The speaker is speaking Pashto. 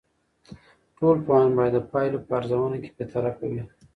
ټول پوهان باید د پایلو په ارزونه کې بیطرف وي.